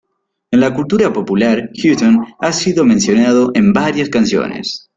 En la cultura popular, Hutton ha sido mencionado en varias canciones.